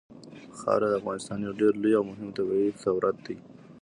خاوره د افغانستان یو ډېر لوی او مهم طبعي ثروت دی.